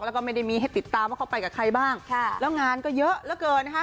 แล้วก็ไม่ได้มีให้ติดตามว่าเขาไปกับใครบ้างค่ะแล้วงานก็เยอะเหลือเกินนะคะ